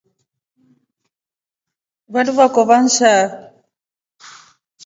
Vandu vevokova nshaa.